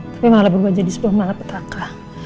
tapi malah berubah jadi sebuah malapetaka